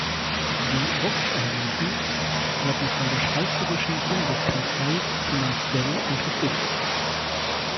Die Vox-Analysen werden von der Schweizerischen Bundeskanzlei finanziell unterstützt.